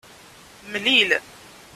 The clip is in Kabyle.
Mlil.